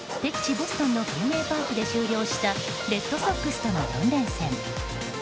ボストンのフェンウェイパークで終了したレッドソックスとの４連戦。